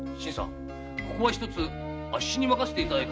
ここはあっしに任せていただいて。